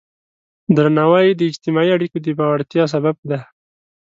درناوی د اجتماعي اړیکو د پیاوړتیا سبب دی.